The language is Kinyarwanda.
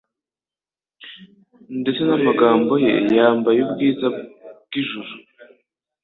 ndetse n'amagambo ye, yambaye ubwiza bw'ijuru